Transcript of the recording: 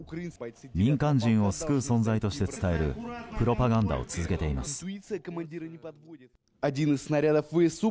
民間人を救う存在として伝えるプロパガンダを続けています。